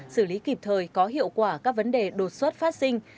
xử lý kịp thời có hiệu quả các vấn đề đột xuất phát sinh